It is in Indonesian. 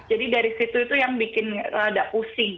jadi dari situ itu yang bikin agak pusing